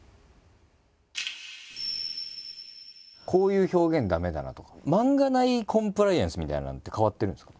こういう表現駄目だなとか漫画内コンプライアンスみたいなのって変わってるんですか？